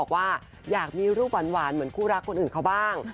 บอกว่าอยากมีรูปหวานเหมือนคู่รักคนอื่นเขาบ้าง